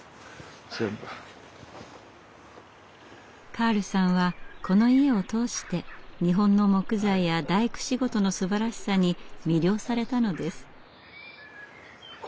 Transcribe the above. カールさんはこの家を通して日本の木材や大工仕事のすばらしさに魅了されたのです。